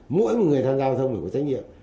mỗi một người tham gia giao thông phải có trách nhiệm